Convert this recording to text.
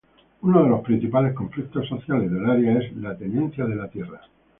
Uno de los principales conflictos sociales del área es la tenencia de la tierra.